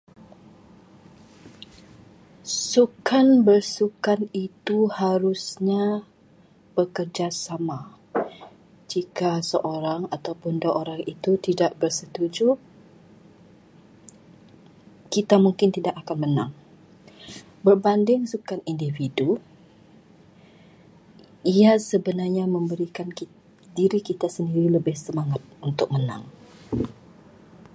Sukan bersukan itu harusnya bekerjasama. Jika seorang atau dua orang itu tidak bersetuju, kita mungkin tidak akan menang. Berbanding sukan individu, ia sebenarnya memberikan kita- diri kita sendiri lebih semangat untuk menang.